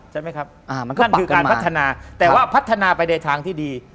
ใช่ไหมครับนั่นคือการพัฒนาแต่ว่าพัฒนาไปในทางที่ดี